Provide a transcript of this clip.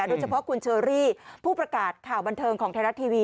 โดยเฉพาะคุณเชอรี่ผู้ประกาศข่าวบันเทิงของไทยรัฐทีวี